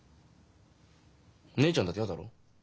姉ちゃんだって嫌だろう？